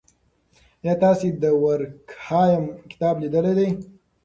آیا تاسې د دورکهایم کتاب لیدلی دی؟